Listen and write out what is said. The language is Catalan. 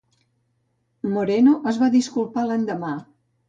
Moreno es va disculpar l'endemà.